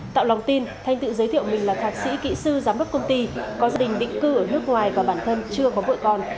tạo lòng tin thanh tự giới thiệu mình là thạc sĩ kỹ sư giám đốc công ty có gia đình định cư ở nước ngoài và bản thân chưa có vợ con